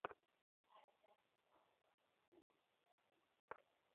আবার অনেক চালক মহাসড়কে নিষিদ্ধ গাড়ি দাঁড় করিয়ে অন্যত্র অবস্থান করেন।